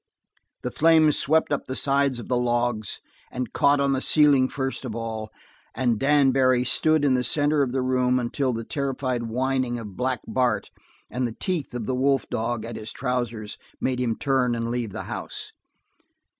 The flames swept up the sides of the logs and caught on the ceiling first of all, and Dan Barry stood in the center of the room until the terrified whining of Black Bart and the teeth of the wolf dog at his trousers made him turn and leave the house.